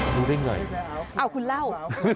รู้ได้ไงเอาคุณเล่า